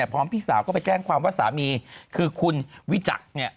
พร้อมพี่สาวก็ไปแจ้งความว่าสามีคือคุณวิจักษ์